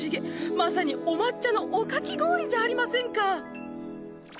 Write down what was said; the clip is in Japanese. まさにお抹茶のおかき氷じゃありませんか。